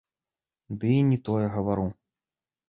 Ды і не тое гавару.